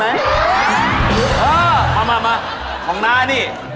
เออมาของน้านี่